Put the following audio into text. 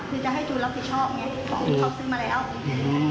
คือจะให้จูย์รับผิดชอบไงเขาซื้อมาแล้วอือ